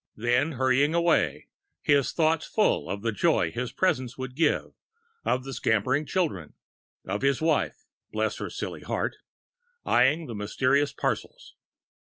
then hurried on again, his thoughts full of the joy his presents would give ... of the scampering children ... and of his wife bless her silly heart! eyeing the mysterious parcels....